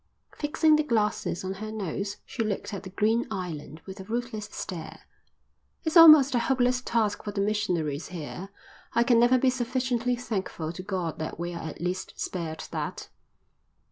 Fixing the glasses on her nose she looked at the green island with a ruthless stare. "It's almost a hopeless task for the missionaries here. I can never be sufficiently thankful to God that we are at least spared that."